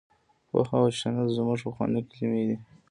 پوهه او شنل زموږ پخوانۍ کلمې دي.